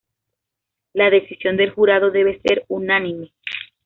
La decisión del jurado debe ser unánime.